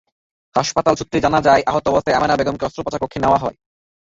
হাসপাতাল সূত্রে জানা যায়, আহত অবস্থায় আমেনা বেগমকে অস্ত্রোপচারকক্ষে নেওয়া হয়।